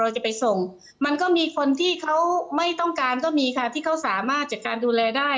จะไปส่งมันก็มีคนที่เขาไม่ต้องการก็มีค่ะที่เขาสามารถจัดการดูแลได้